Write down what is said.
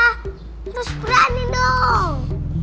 terus berani dong